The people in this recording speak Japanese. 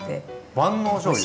万能しょうゆ？